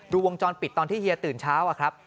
ดูวงจรปิดตอนที่เฮียตื่นเช้า